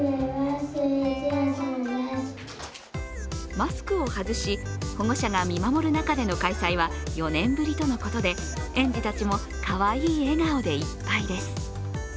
マスクを外し保護者が見守る中での開催は４年ぶりとのことで、園児たちもかわいい笑顔でいっぱいです。